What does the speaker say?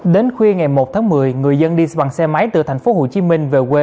đến khuya ngày một tháng một mươi người dân đi bằng xe máy từ thành phố hồ chí minh về quê